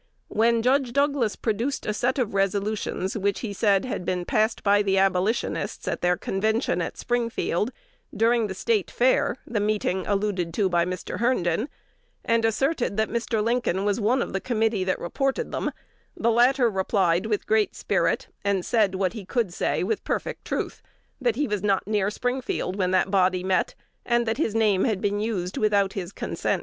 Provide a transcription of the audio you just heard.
When Judge Douglas produced a set of resolutions which he said had been passed by the Abolitionists at their Convention at Springfield, during the State Fair (the meeting alluded to by Mr. Herndon), and asserted that Mr. Lincoln was one of the committee that reported them, the latter replied with great spirit, and said what he could say with perfect truth, that he was not near Springfield when that body met, and that his name had been used without his consent.